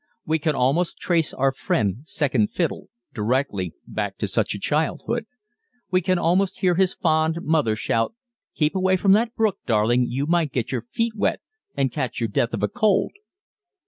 We can almost trace our friend "Second Fiddle" directly back to such a childhood. We can almost hear his fond mother shout, "Keep away from the brook, darling, you might get your feet wet and catch your death of a cold."